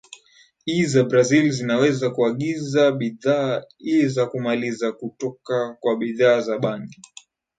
i za Brazil zinaweza kuagiza bidhaa za kumaliza kutoka kwa bidhaa za bangi